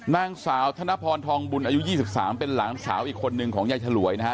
นางสาวธนพรทองบุญอายุ๒๓เป็นหลานสาวอีกคนนึงของยายฉลวยนะฮะ